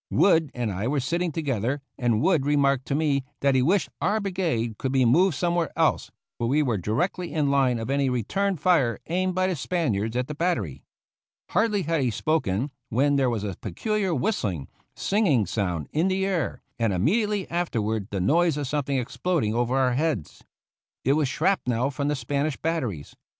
Wood and I were sitting together, and Wood remarked to me that he wished our bri gade could be moved somewhere else, for we were directly in line of any return fire aimed by the Spaniards at the battery. Hardly had he spoken when there was a peculiar whistling, sing ing sound in the air, and immediately afterward the noise of something exploding over our heads. It was shrapnel from the Spanish batteries.